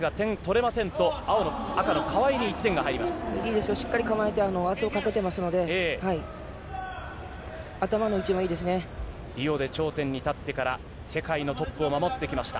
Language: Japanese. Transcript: いいですよ、しっかり構えて圧をかけてますので、頭の位置もリオで頂点に立ってから、世界のトップを守ってきました。